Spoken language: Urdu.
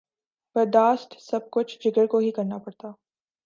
برداشت سب کچھ جگر کو ہی کرنا پڑتا۔